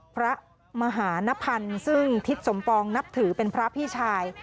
พระมหานพันธ์ซึ่งทิศสมปองนับถือเป็นพระพี่ชาย